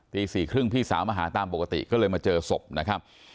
ตี๔๓๐พี่สาวมาหาตามปกติก็เลยมาเจอศพนะครับ